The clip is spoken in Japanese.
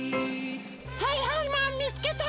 はいはいマンみつけた！